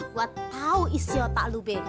gue tau isi otak lu